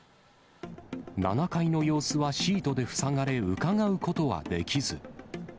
７階の様子はシートで塞がれ、うかがうことはできず。